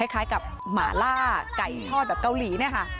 คล้ายกับหมาล่าไก่ชอดแบบเกาหลี